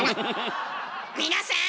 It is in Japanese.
皆さん！